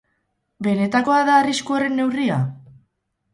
Benetakoa da arrisku horren neurria?